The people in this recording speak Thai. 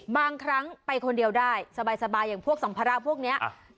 บางครั้งไปคนเดียวได้สบายอย่างพวกสัมภาระพวกนี้